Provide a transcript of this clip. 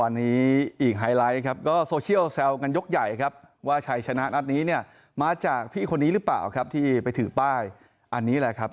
วันนี้อีกไฮไลท์ครับก็โซเชียลแซวกันยกใหญ่ครับว่าชัยชนะนัดนี้เนี่ยมาจากพี่คนนี้หรือเปล่าครับที่ไปถือป้ายอันนี้แหละครับ